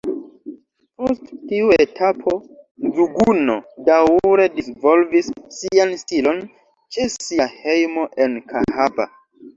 Post tiu etapo Mzuguno daŭre disvolvis sian stilon ĉe sia hejmo en Kahaba.